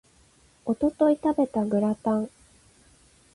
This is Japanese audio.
一昨日食べたグラタン